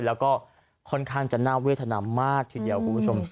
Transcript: แล้วก็ค่อนข้างจะน่าเวทนามมากทีเดียวคุณผู้ชม